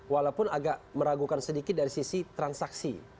walaupun agak meragukan sedikit dari sisi transaksi